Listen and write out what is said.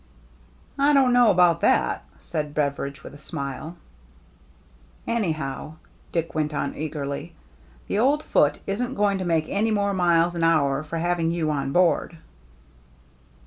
"I don't know about that," said Beveridge, with a smile. " Anyhow," Dick went on eagerly, " the old Foote isn't going to make any more miles an hour for having you on board."